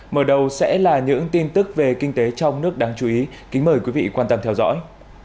mở đầu sẽ là những tin tức về kinh tế trong nước đáng chú ý kính mời quý vị quan tâm theo dõi